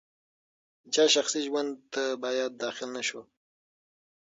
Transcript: د چا شخصي ژوند ته باید داخل نه شو.